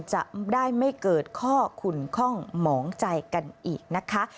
จะได้ไม่เกิดข้อขุนคล่องหมองใจกันอีกนะคะ